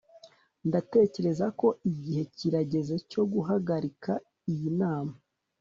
ndatekereza ko igihe kirageze cyo guhagarika iyi nama